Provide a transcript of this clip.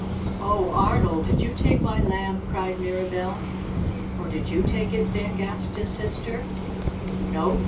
"Oh, Arnold, did you take my Lamb!" cried Mirabell. "Or did you take it, Dick?" asked his sister. "Nope!"